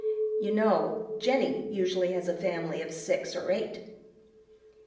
You know Jenny usually has a family of six or eight.